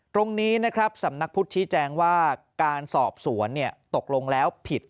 ตรงนี้นะครับสำนักพุทธชี้แจงว่าการสอบสวนตกลงแล้วผิด